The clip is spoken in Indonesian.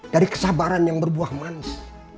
dari kesabaran yang berbuah manis